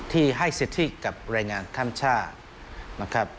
ที่ให้สิทธิกับแรงงานข้ามชาตินะครับ